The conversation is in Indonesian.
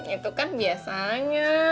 itu kan biasanya